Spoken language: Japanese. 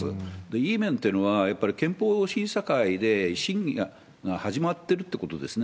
いい面というのは、やっぱり憲法審査会で審議が始まってるってことですね。